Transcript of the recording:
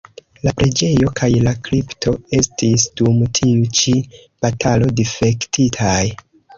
La preĝejo kaj la kripto estis dum tiu ĉi batalo difektitaj.